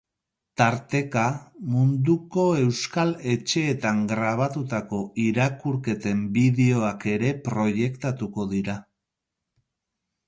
Tarteka, munduko euskal etxeetan grabatutako irakurketen bideoak ere proiektatuko dira.